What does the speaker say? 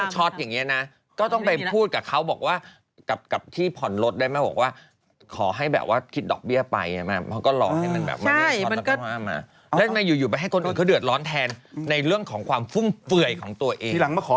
เห็นคุณมากไปกับใครไม่รู้ว่าที่วางน้ำเขียวหรือเปล่า